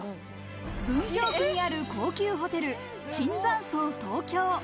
文京区にある高級ホテル、椿山荘東京。